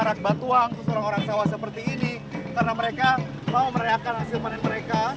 mereka mengarahkan lancus orang orang that seperti ini karena mereka nah merayakan akan teman mereka